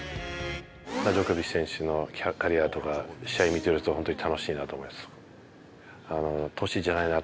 ジョコビッチ選手のキャリアとか、試合見てると、本当に楽しいなと思います。